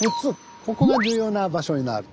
ここが重要な場所になる。